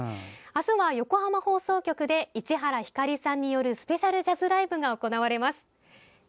あすは横浜放送局で市原ひかりさんによるスペシャルジャズライブが行われます。